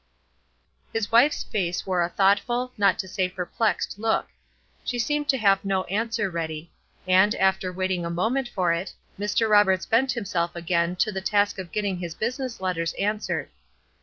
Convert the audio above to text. His wife's face wore a thoughtful, not to say perplexed look; she seemed to have no answer ready; and, after waiting a moment for it, Mr. Roberts bent himself again to the task of getting his business letters answered.